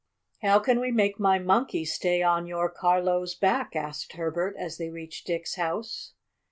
"How can we make my Monkey stay on your Carlo's back?" asked Herbert, as they reached Dick's house.